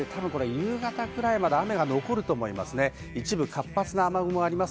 夕方くらいまで雨が残ると思います。